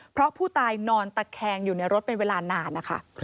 เพราะผู้ตายนอนตะแคงอยู่ในรถเป็นเวลานานนะคะ